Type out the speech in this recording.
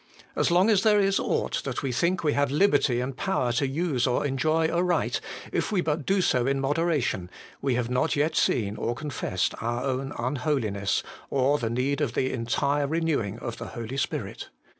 As long as there is ought that we think we have liberty and power to use or enjoy aright, if we but do so in moderation, we have not yet seen or confessed our own unholiness, or the need of the entire renewing of the Holy Spirit.